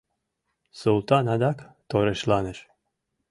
Султан адак торешланыш.